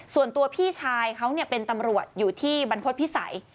ส่วนตัวพี่ชายเขาเป็นตำรวจอยู่ที่บรรพฤษภิษัย